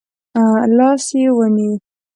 لاس يې ونیو.